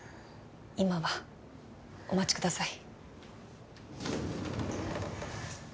今はお待ちください